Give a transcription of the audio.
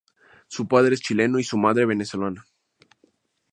Su padre es chileno y su madre, venezolana.